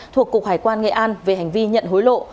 thuộc cục hải quan nghệ an về hành vi nhận hối lộ